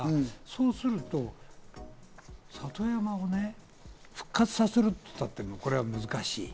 そうすると、里山をね、復活させるといったって、これは難しい。